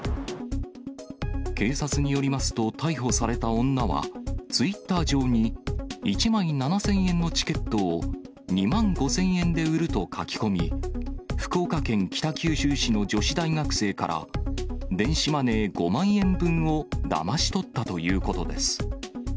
警察によりますと、逮捕された女は、ツイッター上に、１枚７０００円のチケットを２万５０００円で売ると書き込み、福岡県北九州市の女子大学生から、電子マネー５万円分をだまし取ったということです。